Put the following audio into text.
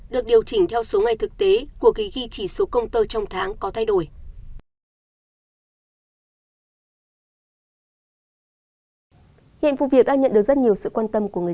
được điều chỉnh theo số ngày thực tế của kỳ ghi chỉ số công tơ trong tháng có thay đổi